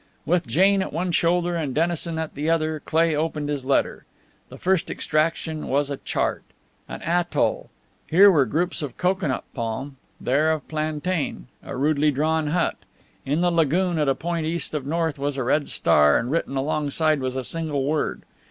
With Jane at one shoulder and Dennison at the other, Cleigh opened his letter. The first extraction was a chart. An atoll; here were groups of cocoanut palm, there of plantain; a rudely drawn hut. In the lagoon at a point east of north was a red star, and written alongside was a single word.